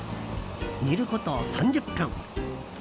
煮ること３０分。